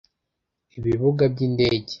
ibibuga by’indege